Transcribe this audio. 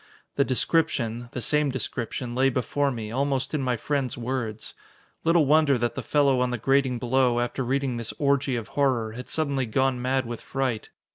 The description the same description lay before me, almost in my friend's words. Little wonder that the fellow on the grating below, after reading this orgy of horror, had suddenly gone mad with fright.